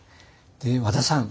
で和田さん